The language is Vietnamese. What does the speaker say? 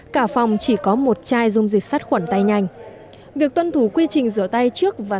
cả phòng chỉ có một chai dung dịch sát khuẩn tay nhanh việc tuân thủ quy trình rửa tay trước và